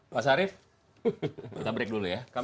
pak sharif kita break dulu ya